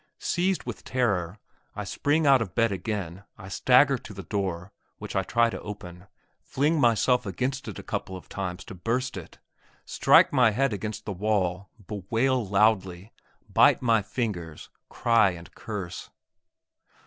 Seized with terror, I spring out of bed again, I stagger to the door, which I try to open, fling myself against it a couple of times to burst it, strike my head against the wall, bewail loudly, bite my fingers, cry and curse....